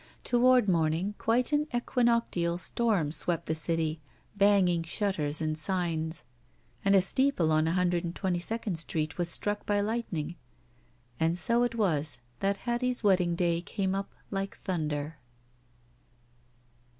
Toward morning quite an equinoctial storm swept the city, banging shutters and signs, and a steeple on 1 2 2d Street was struck by lightning. And so it was that Hattie's wedding day came up like thunder.